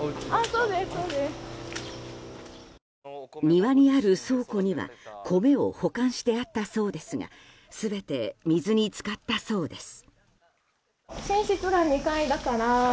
庭にある倉庫には米を保管してあったそうですが全て水に浸かったそうです。